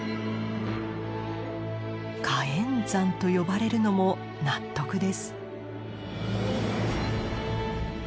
火焔山と呼ばれるのも納得です。